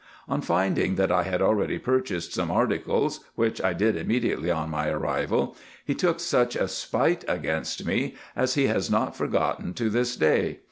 On finding that I had already purchased some articles, which I did immediately on my arrival, he took such a spite against me, as he has not forgotten to this day.